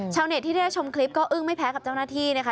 ชาวเน็ตที่ได้ชมคลิปก็อึ้งไม่แพ้กับเจ้าหน้าที่นะคะ